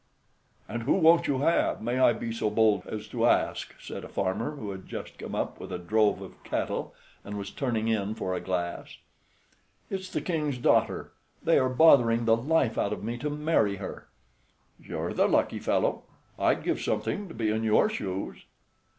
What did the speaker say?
"And who won't you have, may I be so bold as to ask?" said a farmer, who had just come up with a drove of cattle, and was turning in for a glass. "It's the King's daughter. They are bothering the life out of me to marry her." "You're the lucky fellow. I'd give something to be in your shoes."